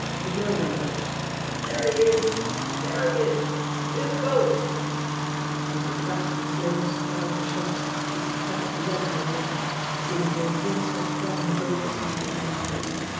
A yell went up : "Dere he is ! Dere he is in de boat !" There was the crash and flame spurt of shots, the spat of lead on the water. Jimmie Dale threw himself flat in the boat beside Bunty Myers.